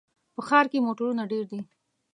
په ښار کې موټرونه ډېر دي.